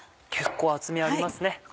結構厚みありますね。